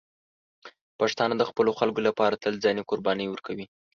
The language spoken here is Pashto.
پښتانه د خپلو خلکو لپاره تل ځاني قرباني ورکوي.